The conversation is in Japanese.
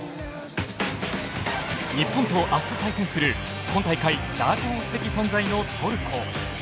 日本と明日対戦する今大会ダークホース的存在のトルコ。